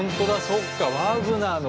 そっかワーグナーの。